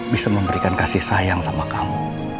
bisa memberikan kasih sayang sama kamu